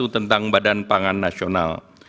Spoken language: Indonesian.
tentang badan pangan nasional